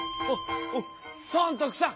尊徳さん！